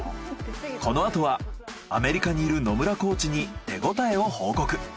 このあとはアメリカにいる野村コーチに手ごたえを報告。